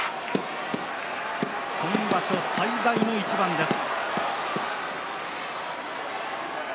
今場所最大の一番です。